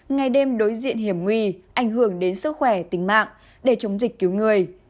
ngày đêm đối diện hiểm nguy ảnh hưởng đến sức khỏe tính mạng để chống dịch cứu người